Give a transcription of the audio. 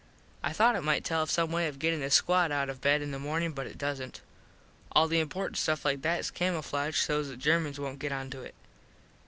I thought it might tell of some way of gettin the squad out of bed in the morning but it doesnt. All the important stuff like that is camooflaged sos the Germans wont get onto it.